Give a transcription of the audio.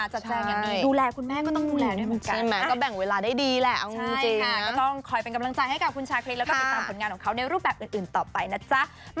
ใช่ค่ะก็ต้องคอยเป็นกำลังจากกับคุณชาเครกษ์แล้วก็ติดตามยังงานของเขาในรูปแบบอื่นต่อไปนะจ๊ะ